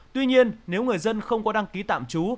tuy nhiên nếu người dân không có đăng ký tạm trú